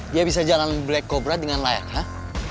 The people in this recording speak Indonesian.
dia bisa jalan black cobra dengan layak kan